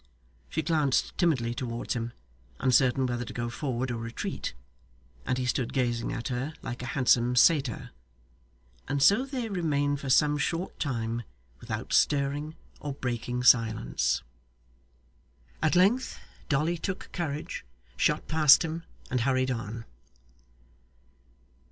She glanced timidly towards him, uncertain whether to go forward or retreat, and he stood gazing at her like a handsome satyr; and so they remained for some short time without stirring or breaking silence. At length Dolly took courage, shot past him, and hurried on.